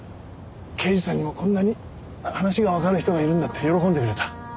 刑事さんにもこんなに話がわかる人がいるんだって喜んでくれた。